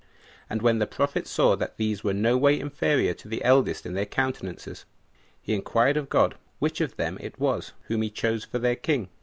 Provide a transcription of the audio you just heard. And when the prophet saw that these were no way inferior to the eldest in their countenances, he inquired of God which of them it was whom he chose for their king.